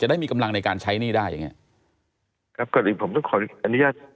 ได้มีกำลังในการใช้หนี้ได้อย่างเงี้ยครับก่อนอื่นผมต้องขออนุญาต